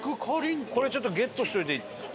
これちょっとゲットしといて。